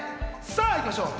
さぁいきましょう！